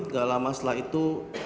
gak lama setelah itu